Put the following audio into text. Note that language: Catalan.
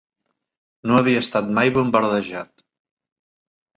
No havia estat mai bombardejat